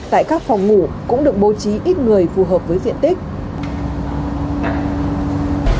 tại các phòng ngủ cũng được bố trí ít người phù hợp với diện tích